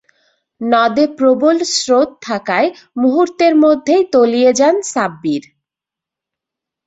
নদে প্রবল স্রোত থাকায় মুহূর্তের মধ্যেই তলিয়ে যান সাব্বির।